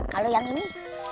kalau yang ini